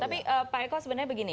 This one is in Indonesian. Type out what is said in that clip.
tapi pak eko sebenarnya begini